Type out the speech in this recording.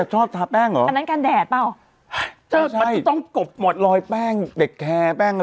คือเลือดมันขั้้าง